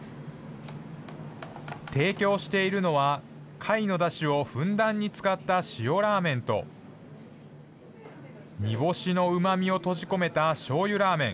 提供しているのは、貝のだしをふんだんに使った塩ラーメンと、煮干しのうまみを閉じ込めたしょうゆラーメン。